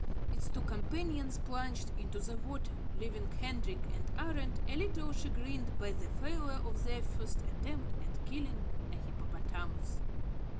Its two companions plunged into the water, leaving Hendrik and Arend a little chagrined by the failure of their first attempt at killing a hippopotamus.